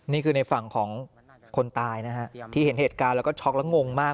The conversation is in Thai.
นี่คือในฝั่งของคนตายที่เห็นหตก็ช็อกแล้วงงมาก